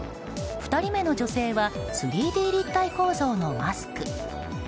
２人目の女性は３Ｄ立体構造のマスク。